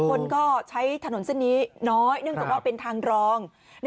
คนก็ใช้ถนนเส้นนี้น้อยเนื่องจากว่าเป็นทางรอง